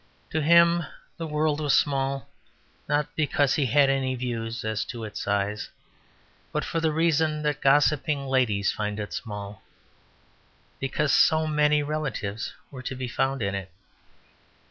To him the world was small, not because he had any views as to its size, but for the reason that gossiping ladies find it small, because so many relatives were to be found in it.